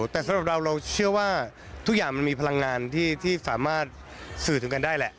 แต่สำหรับเราเราเชื่อว่าทุกอย่างมันมีพลังงานที่สามารถสื่อถึงกันได้แหละ